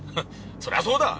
そりゃそうだ！